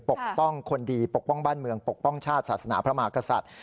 ปกป้องคนดีปกป้องบ้านเมืองปกป้องชาติศาสนาพระมหากษัตริย์